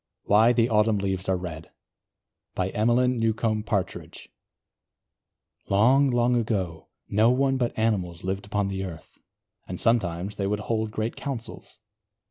WHY THE AUTUMN LEAVES ARE RED EMELYN NEWCOMB PARTRIDGE Long, long ago no one but animals lived upon the earth and sometimes they would hold great Councils.